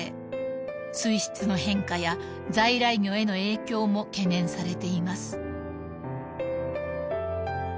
［水質の変化や在来魚への影響も懸念されています］